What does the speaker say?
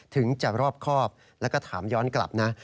ถึงจะรอบครอบแล้วก็ถามย้อนกลับนะ